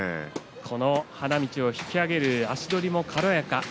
花道を引き揚げる足取りも軽やかです。